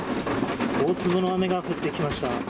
大粒の雨が降ってきました。